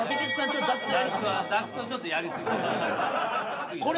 ダクトちょっとやり過ぎ。